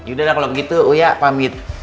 udah lah kalau begitu uya pamit